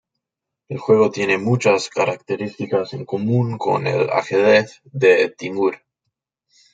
El juego tiene muchas características en común con el ajedrez de Timur.